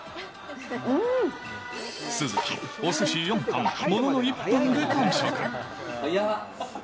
鈴木、おすし４貫、ものの１分で完食。